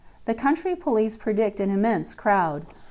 The country police predict an immense crowd."